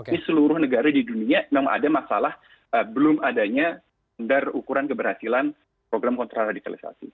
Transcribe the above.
di seluruh negara di dunia memang ada masalah belum adanyar ukuran keberhasilan program kontraradikalisasi